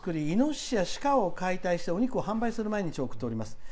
いのししや鹿を解体してお肉を販売する毎日を送っております。